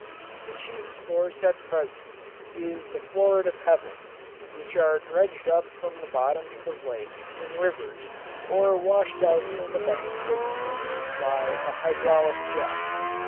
The chief source at present is the Florida pebbles, which are dredged up from the bottoms of lakes and rivers or washed out from the banks of streams by a hydraulic jet.